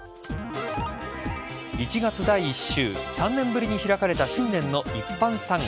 １月第１週３年ぶりに開かれた新年の一般参賀。